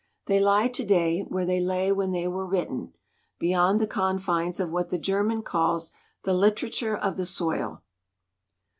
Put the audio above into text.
They lie to day where they lay when they were written beyond the confines of what the German calls the literature of the soil.